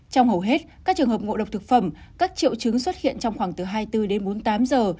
trong hầu hết các trường hợp ngộ độc thực phẩm các triệu chứng xuất hiện trong khoảng từ hai mươi bốn đến bốn mươi tám giờ